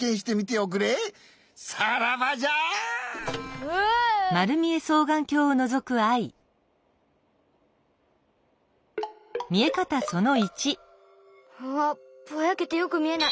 うわぼやけてよくみえない。